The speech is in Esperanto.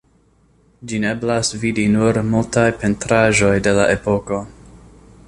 Ĝin eblas vidi sur multaj pentraĵoj de la epoko.